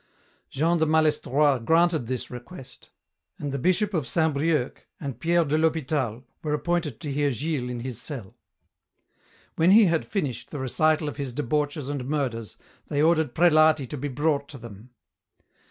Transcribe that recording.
Jean de Malestroit granted this request, and the Bishop of Saint Brieuc and Pierre de l'Hospital were appointed to hear Gilles in his cell. When he had finished the recital of his debauches and murders they ordered Prelati to be brought to them.